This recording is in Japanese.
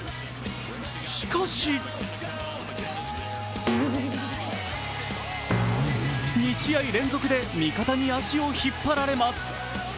しかし２試合連続で味方に足を引っ張られます。